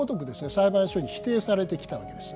裁判所に否定されてきたわけです。